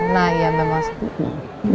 nah iya memang